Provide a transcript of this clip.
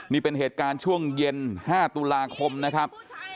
นี่เป็นเหตุการณ์ช่วงเย็น๕ตุลาคมนะครับ